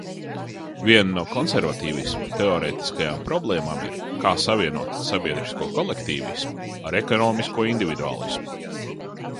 Viena no konservatīvisma teorētiskajām problēmām ir: kā savienot sabiedrisko kolektīvismu ar ekonomisko individuālismu.